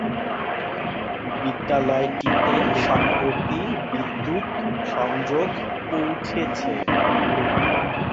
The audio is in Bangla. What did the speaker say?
বিদ্যালয়টিতে সম্প্রতি বিদ্যুৎ সংযোগ পৌঁছেছে।